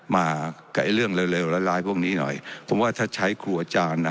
มากับเรื่องเลวเลวร้ายพวกนี้หน่อยผมว่าถ้าใช้ครูอาจารย์น่ะ